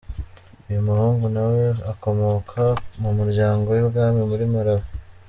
Uyu muhungu nawe akomoka mu muryango w’ibwami muri Malawi.